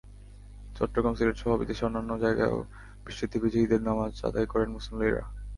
চট্টগ্রাম, সিলেটসহ দেশের অন্যান্য জায়গায়ও বৃষ্টিতে ভিজে ঈদের নামাজ আদায় করেন মুসল্লিরা।